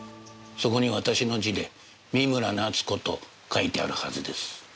そこに私の字で「三村奈津子」と書いてあるはずです。